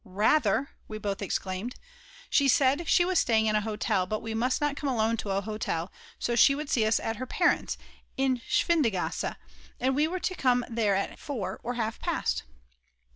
"Rather," we both exclaimed. She said she was staying in a hotel, but we must not come alone to a hotel, so she would see us at her parents, in Schwindgasse, and we were to come there at 4 or half past.